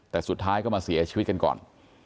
แต่สุดท้ายก็มาเสียชีวิตกันก่อน